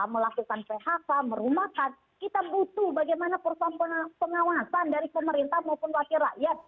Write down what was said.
melakukan phk merumahkan kita butuh bagaimana persoalan pengawasan dari pemerintah maupun wakil rakyat